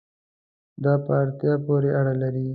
دا په اړتیا پورې اړه لري